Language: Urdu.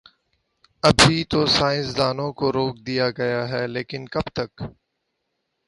ابھی تو سائنس دانوں کو روک دیا گیا ہے، لیکن کب تک؟